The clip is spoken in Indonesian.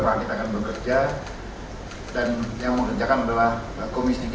maka kita akan bekerja dan yang akan bekerjakan adalah komis tiga